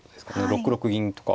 ６六銀とか。